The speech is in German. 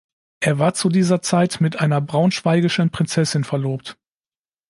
Er war zu dieser Zeit mit einer braunschweigischen Prinzessin verlobt.